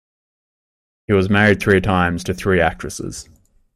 He was married three times, to three actresses.